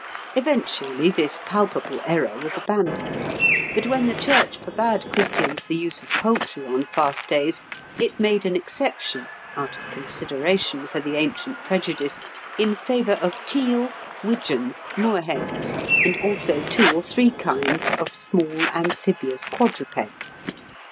Eventually, this palpable error was abandoned; but when the Church forbade Christians the use of poultry on fast days, it made an exception, out of consideration for the ancient prejudice, in favour of teal, widgeon, moor hens, and also two or three kinds of small amphibious quadrupeds.